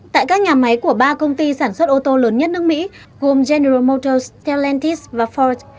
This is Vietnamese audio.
tại các nhà máy của ba công ty sản xuất ô tô lớn nhất nước mỹ gồm general motor sellantis và ford